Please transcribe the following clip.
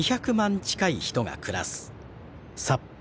近い人が暮らす札幌。